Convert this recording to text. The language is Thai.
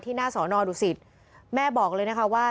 ที่หน้าสอนอดุศิษฐ์แม่บอกเลยนะคะว่า